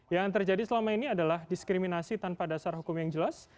yang terjadi selama ini adalah diskriminasi tanpa dasar hukum yang jelas